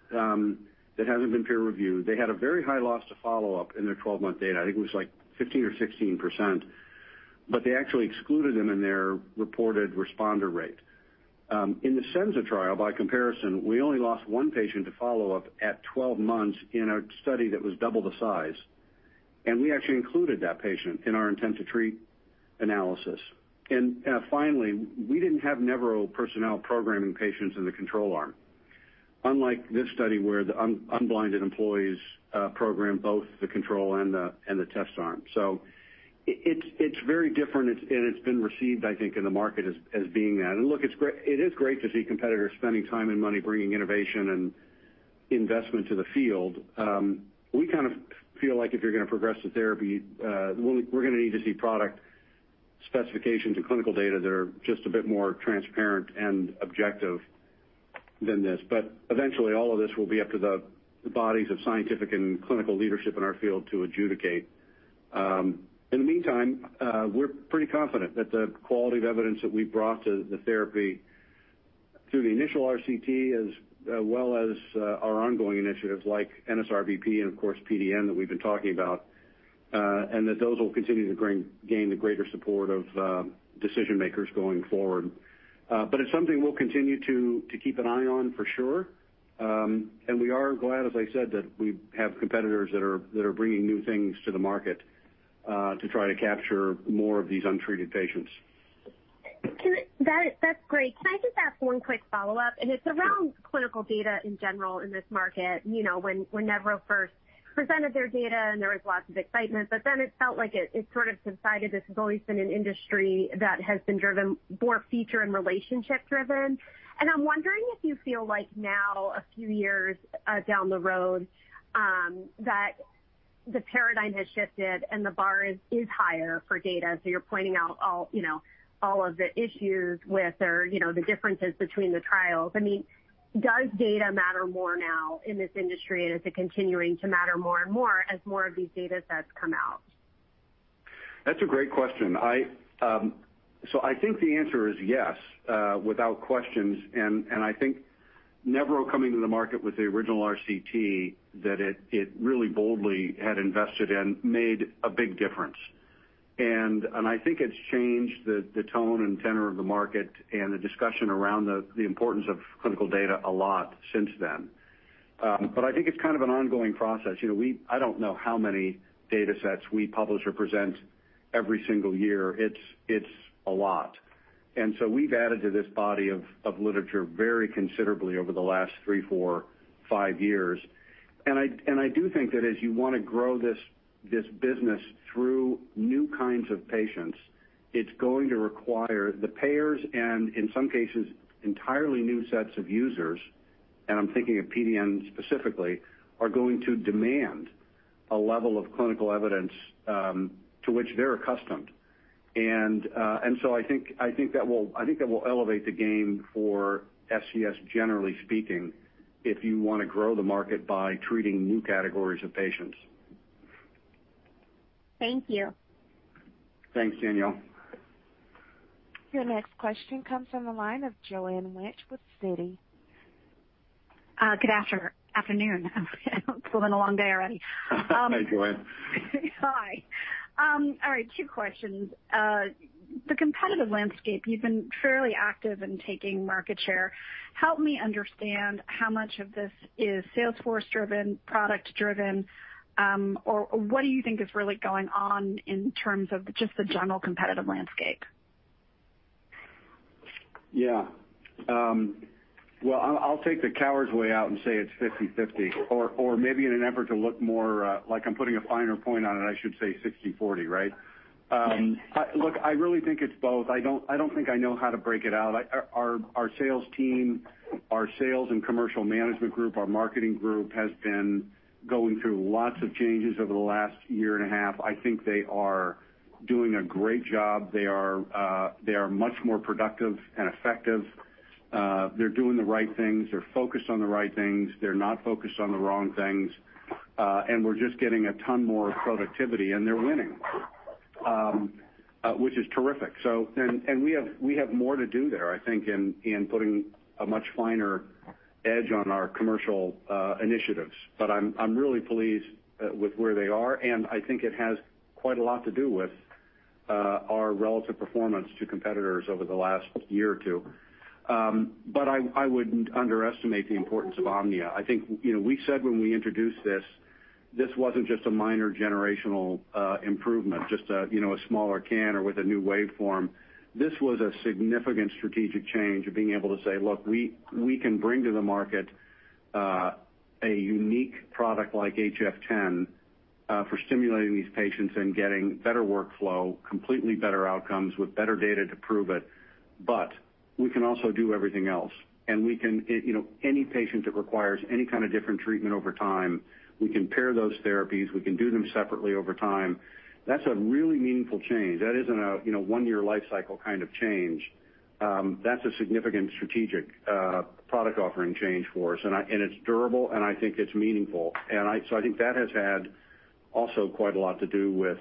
that hasn't been peer-reviewed. They had a very high loss to follow-up in their 12-month data. I think it was like 15% or 16%, but they actually excluded them in their reported responder rate. In the Senza trial, by comparison, we only lost one patient to follow-up at 12 months in a study that was double the size, and we actually included that patient in our intent-to-treat analysis. Finally, we didn't have Nevro personnel programming patients in the control arm, unlike this study where the unblinded employees programmed both the control and the test arm. It's very different, and it's been received, I think, in the market as being that. Look, it is great to see competitors spending time and money bringing innovation and investment to the field. We kind of feel like if you're going to progress the therapy, we're going to need to see product specifications and clinical data that are just a bit more transparent and objective than this. Eventually, all of this will be up to the bodies of scientific and clinical leadership in our field to adjudicate. In the meantime, we're pretty confident that the quality of evidence that we've brought to the therapy through the initial RCT, as well as our ongoing initiatives like NSRBP and, of course, PDN that we've been talking about, and that those will continue to gain the greater support of decision-makers going forward. It's something we'll continue to keep an eye on for sure. We are glad, as I said, that we have competitors that are bringing new things to the market to try to capture more of these untreated patients. That's great. Can I just ask one quick follow-up? It's around clinical data in general in this market. When Nevro first presented their data, and there was lots of excitement, but then it felt like it sort of subsided. This has always been an industry that has been driven more feature and relationship-driven. I'm wondering if you feel like now, a few years down the road, that the paradigm has shifted and the bar is higher for data. You're pointing out all of the issues with or the differences between the trials. Does data matter more now in this industry? Is it continuing to matter more and more as more of these data sets come out? That's a great question. I think the answer is yes, without questions. I think Nevro coming to the market with the original RCT that it really boldly had invested in made a big difference. I think it's changed the tone and tenor of the market and the discussion around the importance of clinical data a lot since then. I think it's kind of an ongoing process. I don't know how many data sets we publish or present every single year. It's a lot. We've added to this body of literature very considerably over the last three, four, five years. I do think that as you want to grow this business through new kinds of patients, it's going to require the payers and, in some cases, entirely new sets of users, and I'm thinking of PDN specifically, are going to demand a level of clinical evidence to which they're accustomed. I think that will elevate the game for SCS, generally speaking, if you want to grow the market by treating new categories of patients. Thank you. Thanks, Danielle. Your next question comes from the line of Joanne Wuensch with Citi. Good afternoon. It's been a long day already. Hey, Joanne. Hi. All right, two questions. The competitive landscape, you've been fairly active in taking market share. Help me understand how much of this is sales force driven, product driven, or what do you think is really going on in terms of just the general competitive landscape? Yeah. Well, I'll take the coward's way out and say it's 50/50, or maybe in an effort to look more like I'm putting a finer point on it, I should say 60/40, right? Look, I really think it's both. I don't think I know how to break it out. Our sales team, our sales and commercial management group, our marketing group, has been going through lots of changes over the last year and a half. I think they are doing a great job. They are much more productive and effective. They're doing the right things. They're focused on the right things. They're not focused on the wrong things. We're just getting a ton more productivity, and they're winning. Which is terrific. We have more to do there, I think, in putting a much finer edge on our commercial initiatives. I'm really pleased with where they are, and I think it has quite a lot to do with our relative performance to competitors over the last year or two. I wouldn't underestimate the importance of Omnia. I think we said when we introduced this wasn't just a minor generational improvement, just a smaller can or with a new waveform. This was a significant strategic change of being able to say, look, we can bring to the market a unique product like HF10 for stimulating these patients and getting better workflow, completely better outcomes with better data to prove it. We can also do everything else, and any patient that requires any kind of different treatment over time, we can pair those therapies. We can do them separately over time. That's a really meaningful change. That isn't a one-year life cycle kind of change. That's a significant strategic product offering change for us, and it's durable, and I think it's meaningful. I think that has had also quite a lot to do with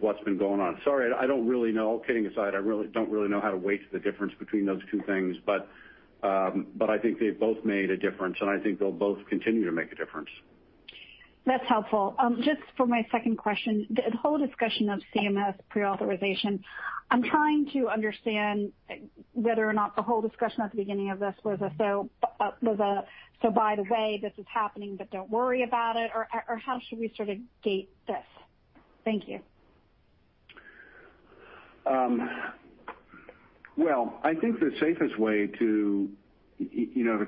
what's been going on. Sorry, all kidding aside, I don't really know how to weigh the difference between those two things, but I think they've both made a difference, and I think they'll both continue to make a difference. That's helpful. Just for my second question, the whole discussion of CMS pre-authorization, I'm trying to understand whether or not the whole discussion at the beginning of this was a, so by the way, this is happening, but don't worry about it, or how should we sort of gate this? Thank you. Well, I think the safest way to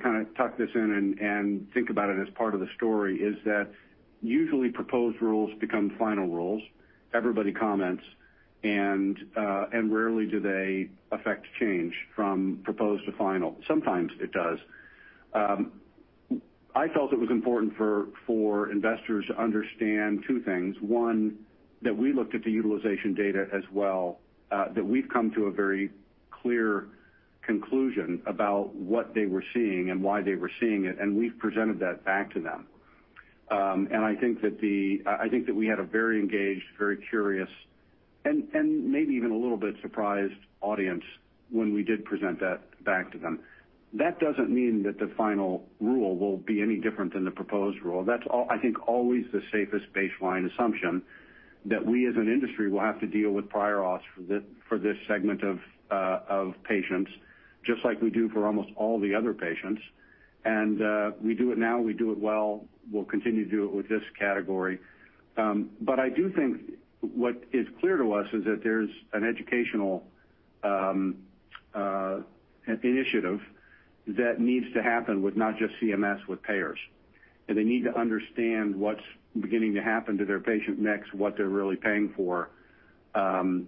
kind of tuck this in and think about it as part of the story is that usually proposed rules become final rules. Everybody comments, and rarely do they affect change from proposed to final. Sometimes it does. I felt it was important for investors to understand two things. One, that we looked at the utilization data as well, that we've come to a very clear conclusion about what they were seeing and why they were seeing it, and we've presented that back to them. I think that we had a very engaged, very curious, and maybe even a little bit surprised audience when we did present that back to them. That doesn't mean that the final rule will be any different than the proposed rule. That's, I think, always the safest baseline assumption that we, as an industry, will have to deal with prior auths for this segment of patients, just like we do for almost all the other patients. We do it now. We do it well. We'll continue to do it with this category. I do think what is clear to us is that there's an educational initiative that needs to happen with not just CMS, with payers. They need to understand what's beginning to happen to their patient mix, what they're really paying for, and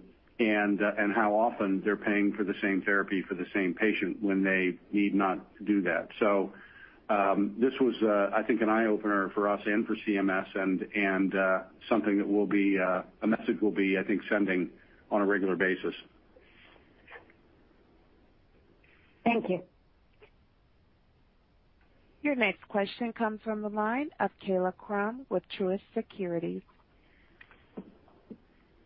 how often they're paying for the same therapy for the same patient when they need not do that. This was, I think, an eye-opener for us and for CMS and something that we'll be, a message we'll be, I think, sending on a regular basis. Thank you. Your next question comes from the line of Kaila Krum with Truist Securities.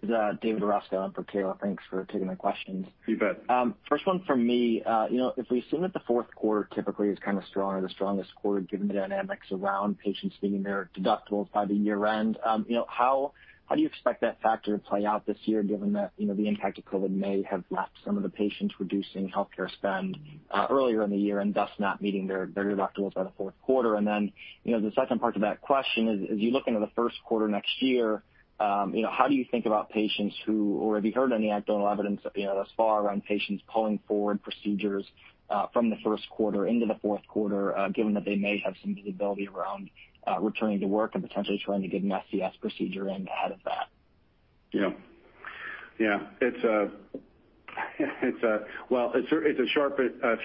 This is David Rescott in for Kaila. Thanks for taking my questions. You bet. First one from me. If we assume that the fourth quarter typically is kind of strong or the strongest quarter, given the dynamics around patients meeting their deductibles by the year-end, how do you expect that factor to play out this year, given that the impact of COVID may have left some of the patients reducing healthcare spend earlier in the year and thus not meeting their deductibles by the fourth quarter? The second part to that question is, as you look into the first quarter next year, how do you think about patients who, or have you heard any anecdotal evidence thus far around patients pulling forward procedures from the first quarter into the fourth quarter, given that they may have some visibility around returning to work and potentially trying to get an SCS procedure in ahead of that? Yeah. Well, it's a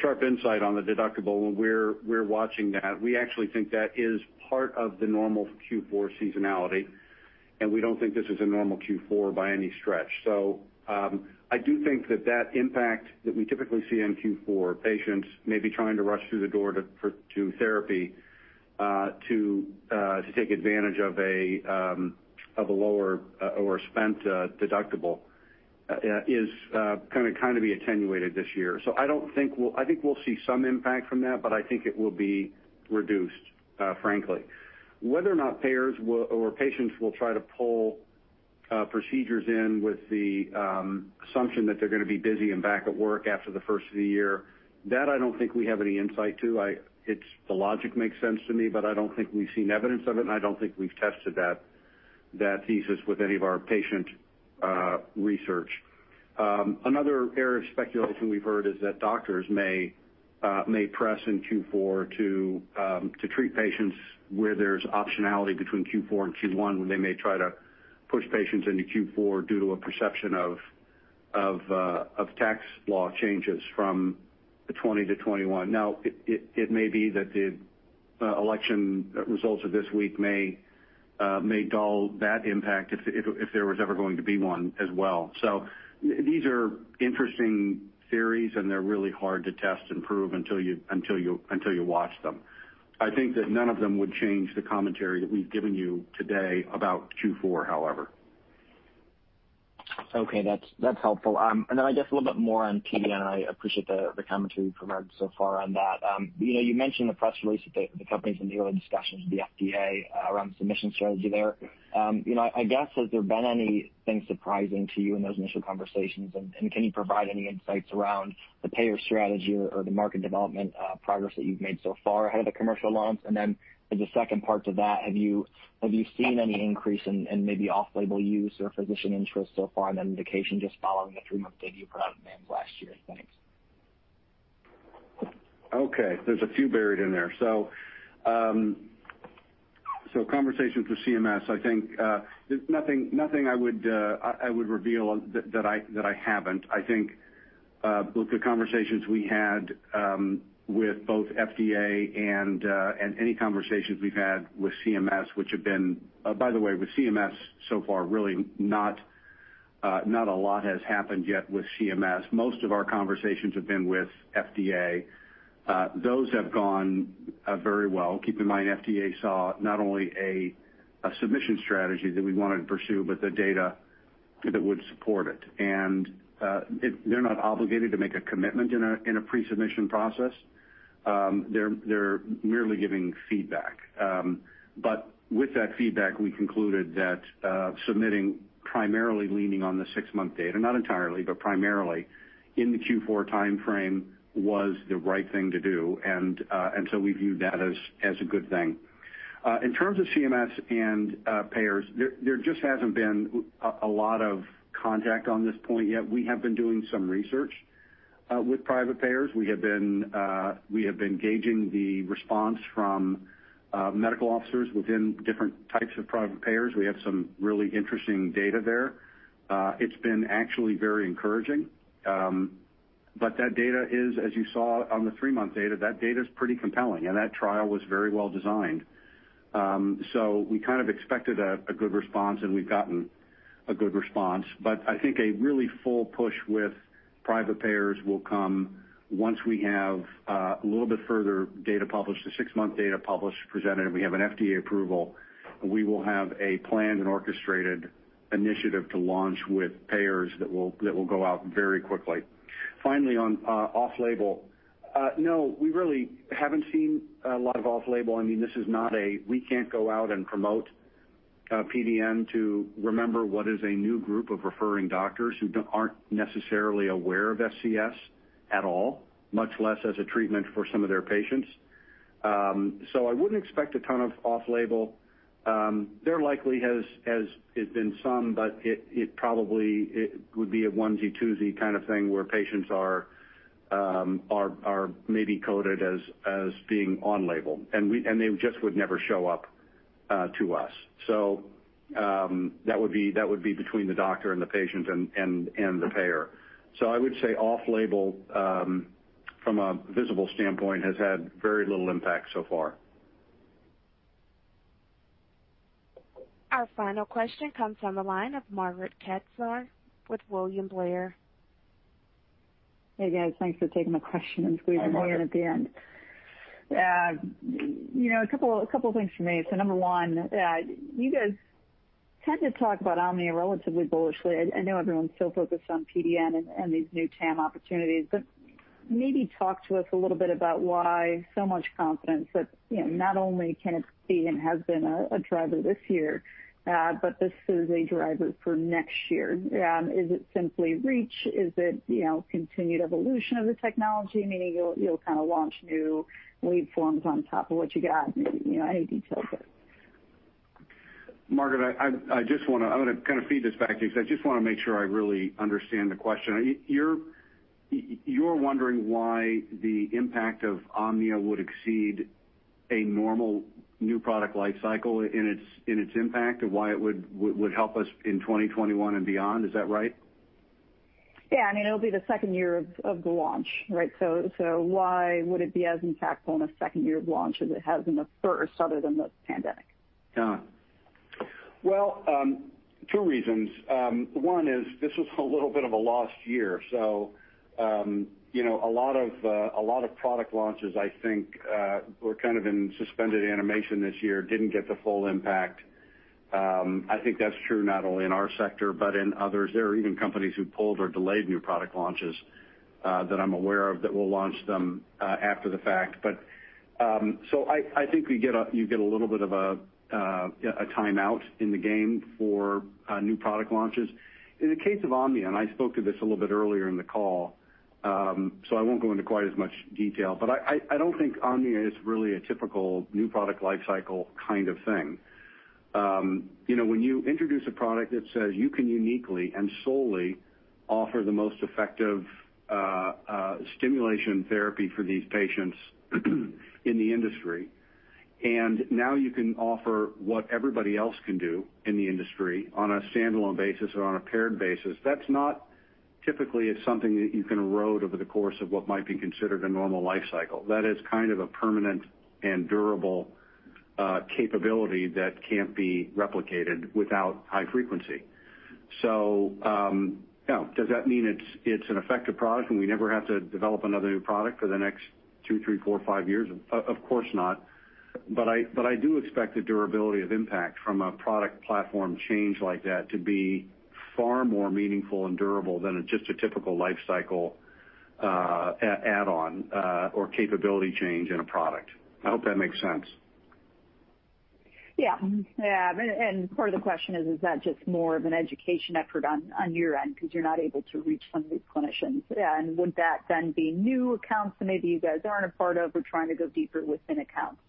sharp insight on the deductible, and we're watching that. We actually think that is part of the normal Q4 seasonality, and we don't think this is a normal Q4 by any stretch. I do think that that impact that we typically see in Q4, patients maybe trying to rush through the door to therapy to take advantage of a lower or spent deductible is going to kind of be attenuated this year. I think we'll see some impact from that, but I think it will be reduced, frankly. Whether or not payers or patients will try to pull procedures in with the assumption that they're going to be busy and back at work after the first of the year, that I don't think we have any insight to. The logic makes sense to me, but I don't think we've seen evidence of it, and I don't think we've tested that thesis with any of our patient research. Another area of speculation we've heard is that doctors may press in Q4 to treat patients where there's optionality between Q4 and Q1, when they may try to push patients into Q4 due to a perception of tax law changes from the 2020 to 2021. It may be that the election results of this week may dull that impact if there was ever going to be one as well. These are interesting theories, and they're really hard to test and prove until you watch them. I think that none of them would change the commentary that we've given you today about Q4, however. Okay, that's helpful. I guess a little bit more on PDN, and I appreciate the commentary you provided so far on that. You mentioned the press release that the company's in the early discussions with the FDA around submission strategy there. Can you provide any insights around the payer strategy or the market development progress that you've made so far ahead of the commercial launch? As a second part to that, have you seen any increase in maybe off-label use or physician interest so far in that indication just following the three-month debut product launch last year? Thanks. Okay. There's a few buried in there. Conversations with CMS, I think, there's nothing I would reveal that I haven't. I think both the conversations we had with both FDA and any conversations we've had with CMS, which have been By the way, with CMS so far, really not a lot has happened yet with CMS. Most of our conversations have been with FDA. Those have gone very well. Keep in mind, FDA saw not only a submission strategy that we wanted to pursue, but the data that would support it. They're not obligated to make a commitment in a pre-submission process. They're merely giving feedback. With that feedback, we concluded that submitting primarily leaning on the six-month data, not entirely, but primarily in the Q4 timeframe was the right thing to do, we viewed that as a good thing. In terms of CMS and payers, there just hasn't been a lot of contact on this point yet. We have been doing some research with private payers. We have been gauging the response from medical officers within different types of private payers. We have some really interesting data there. It's been actually very encouraging. That data is, as you saw on the three-month data, that data's pretty compelling, and that trial was very well designed. We kind of expected a good response, and we've gotten a good response. I think a really full push with private payers will come once we have a little bit further data published, the six-month data published, presented, and we have an FDA approval. We will have a planned and orchestrated initiative to launch with payers that will go out very quickly. Finally, on off-label. We really haven't seen a lot of off-label. I mean, this is not, we can't go out and promote PDN to a new group of referring doctors who aren't necessarily aware of SCS at all, much less as a treatment for some of their patients. I wouldn't expect a ton of off-label. There likely has been some, but it probably would be a onesie-twosie kind of thing where patients are maybe coded as being on label, and they just would never show up to us. That would be between the doctor and the patient and the payer. I would say off-label, from a visible standpoint, has had very little impact so far. Our final question comes on the line of Margaret Kaczor with William Blair. Hey, guys. Thanks for taking the question- Hi, Margaret. -and putting me on at the end. A couple of things for me. Number one, you guys tend to talk about Omnia relatively bullishly. I know everyone's still focused on PDN and these new TAM opportunities, maybe talk to us a little bit about why so much confidence that, not only can it be and has been a driver this year, but this is a driver for next year. Is it simply reach? Is it continued evolution of the technology, meaning you'll kind of launch new lead forms on top of what you got? Maybe any details there. Margaret, I'm going to kind of feed this back to you because I just want to make sure I really understand the question. You're wondering why the impact of Omnia would exceed a normal new product life cycle in its impact, and why it would help us in 2021 and beyond. Is that right? Yeah. I mean, it'll be the second year of the launch, right? Why would it be as impactful in a second year of launch as it has in the first, other than the pandemic? Well, two reasons. One is this was a little bit of a lost year, a lot of product launches I think were kind of in suspended animation this year, didn't get the full impact. I think that's true not only in our sector but in others. There are even companies who pulled or delayed new product launches that I'm aware of that will launch them after the fact. I think you get a little bit of a time out in the game for new product launches. In the case of Omnia, I spoke to this a little bit earlier in the call, I won't go into quite as much detail, I don't think Omnia is really a typical new product life cycle kind of thing. When you introduce a product that says you can uniquely and solely offer the most effective stimulation therapy for these patients in the industry, and now you can offer what everybody else can do in the industry on a standalone basis or on a paired basis, that's not typically something that you can erode over the course of what might be considered a normal life cycle. That is kind of a permanent and durable capability that can't be replicated without high frequency. Now, does that mean it's an effective product and we never have to develop another new product for the next two, three, four, five years? Of course not. I do expect the durability of impact from a product platform change like that to be far more meaningful and durable than just a typical life cycle add-on or capability change in a product. I hope that makes sense. Yeah. Part of the question is that just more of an education effort on your end because you're not able to reach some of these clinicians? Would that then be new accounts that maybe you guys aren't a part of, or trying to go deeper within accounts?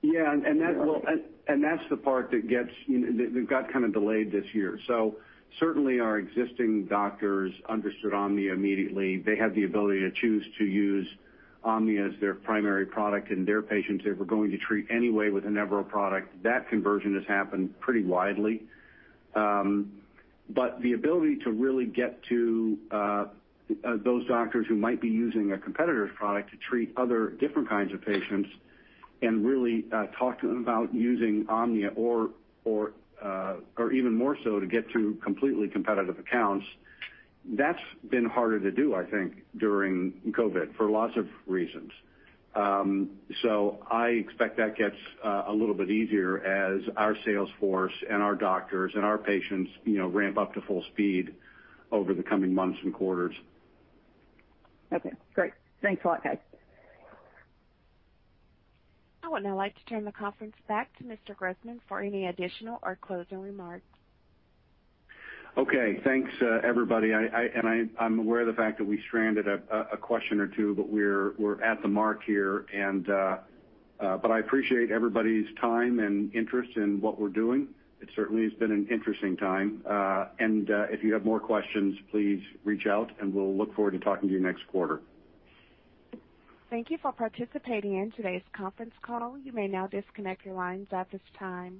Yeah. That's the part that got kind of delayed this year. Certainly our existing doctors understood Omnia immediately. They had the ability to choose to use Omnia as their primary product in their patients they were going to treat anyway with a Nevro product. That conversion has happened pretty widely. The ability to really get to those doctors who might be using a competitor's product to treat other different kinds of patients and really talk to them about using Omnia or even more so to get to completely competitive accounts, that's been harder to do, I think, during COVID for lots of reasons. I expect that gets a little bit easier as our sales force and our doctors and our patients ramp up to full speed over the coming months and quarters. Okay, great. Thanks a lot, guys. I would now like to turn the conference back to Mr. Grossman for any additional or closing remarks. Okay. Thanks, everybody. I'm aware of the fact that we stranded a question or two, we're at the mark here. I appreciate everybody's time and interest in what we're doing. It certainly has been an interesting time. If you have more questions, please reach out, and we'll look forward to talking to you next quarter. Thank you for participating in today's conference call. You may now disconnect your lines at this time.